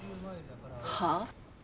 はあ？